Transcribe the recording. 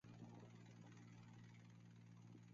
舞台正面是最引人注目以及剧场最具有特点的部分。